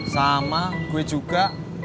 sama gue juga